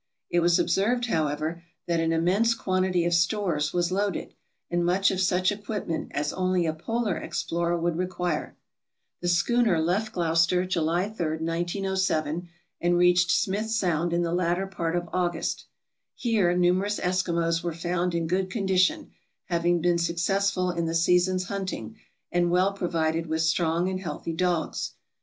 It was observed, however, that an immense quantity of stores was loaded, and much of such equipment as only a polar explorer would require. The schooner left Gloucester, July 3, 1907, and reached Smith Sound in the latter part of August. Here numerous Eskimos were found in good condition, having been successful in the season's hunting, and well provided with strong and healthy dogs.